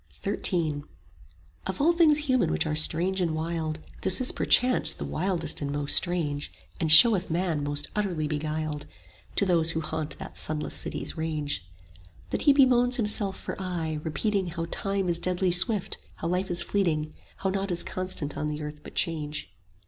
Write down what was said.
XIII Of all things human which are strange and wild This is perchance the wildest and most strange, And showeth man most utterly beguiled, To those who haunt that sunless City's range; That he bemoans himself for aye, repeating 5 How Time is deadly swift, how life is fleeting, How naught is constant on the earth but change.